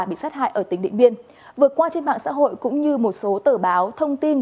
bị sát hại ở tỉnh điện biên vừa qua trên mạng xã hội cũng như một số tờ báo thông tin